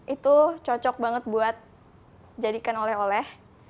itu cocok banget buat jadikan oleh oleh